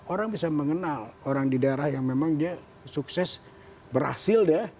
orang bisa mengenal orang di daerah yang memang dia sukses berhasil ya